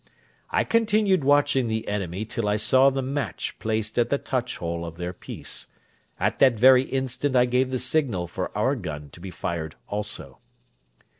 I continued watching the enemy till I saw the match placed at the touch hole of their piece; at that very instant I gave the signal for our gun to be fired also.